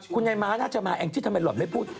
นายม้าน่าจะมาแองจี้ทำไมหล่อนไม่พูด